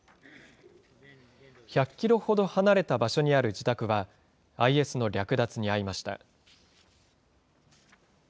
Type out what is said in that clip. １００キロほど離れた場所にある自宅は、ＩＳの略奪に遭いました。